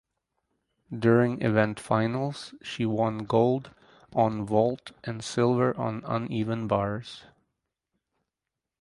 During event finals she won gold on vault and silver on uneven bars.